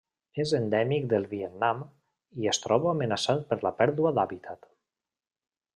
És endèmic del Vietnam i es troba amenaçat per la pèrdua d'hàbitat.